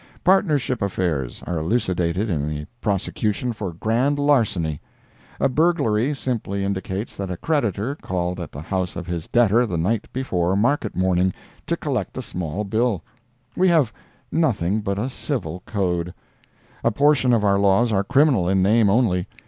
Partnership affairs are elucidated in a prosecution for grand larceny. A burglary simply indicates that a creditor called at the house of his debtor the night before market morning, to collect a small bill. We have nothing but a civil code. A portion of our laws are criminal in name only.